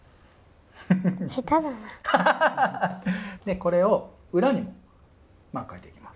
これを裏にもかいていきます。